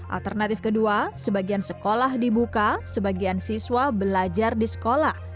alternatif kedua sebagian sekolah dibuka sebagian siswa belajar di sekolah